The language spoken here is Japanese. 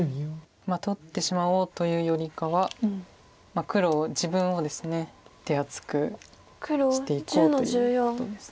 取ってしまおうというよりかは黒を自分をですね手厚くしていこうということです。